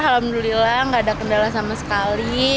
alhamdulillah nggak ada kendala sama sekali